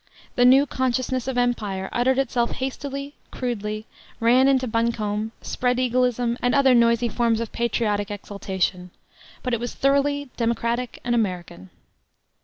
The new consciousness of empire uttered itself hastily, crudely, ran into buncombe, "spread eagleism," and other noisy forms of patriotic exultation; but it was thoroughly democratic and American.